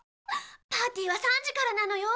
パーティーは３時からなのよ。